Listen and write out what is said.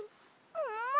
ももも？